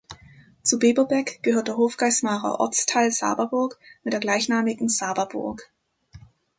Zu Beberbeck gehört der Hofgeismarer Ortsteil Sababurg mit der gleichnamigen Sababurg.